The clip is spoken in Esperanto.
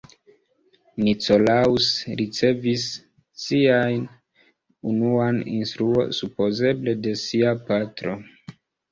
Nicolaus ricevis sian unuan instruo supozeble de sia patro.